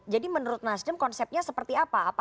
jadi menurut nasdem konsepnya seperti apa